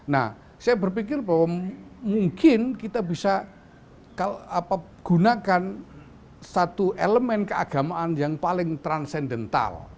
nah saya berpikir bahwa mungkin kita bisa gunakan satu elemen keagamaan yang paling transendental